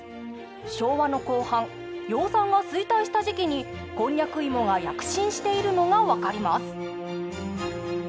昭和の後半養蚕が衰退した時期にこんにゃく芋が躍進しているのが分かります。